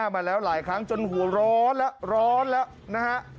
มึงจอดดิ